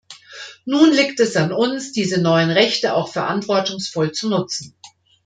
Nun liegt es an uns, diese neuen Rechte auch verantwortungsvoll zu nutzen.